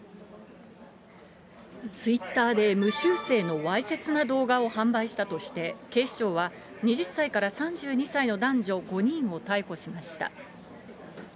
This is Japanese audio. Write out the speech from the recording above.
ツイッターで無修正のわいせつな動画を販売したとして警視庁は、２０歳から３２歳の男女５人を逮捕しました。